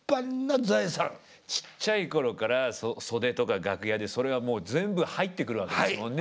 ちっちゃい頃から袖とか楽屋でそれが全部入ってくるわけですもんね